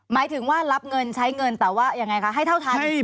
หมายถึงว่ารับเงินใช้เงินแต่ว่ายังไงคะให้เท่าทัน